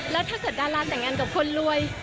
แล้วถ้าเกิดดาราแต่งงานกับคนรวย